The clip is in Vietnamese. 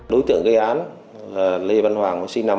đối tượng gây án là lê văn hoàng sinh năm hai nghìn bốn